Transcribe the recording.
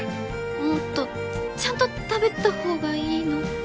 もっとちゃんと食べた方がいいのでは。